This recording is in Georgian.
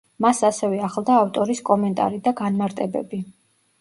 მას ასევე ახლდა ავტორის კომენტარი და განმარტებები.